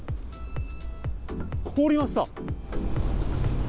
凍りました。